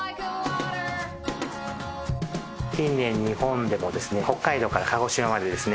近年日本でもですね北海道から鹿児島までですね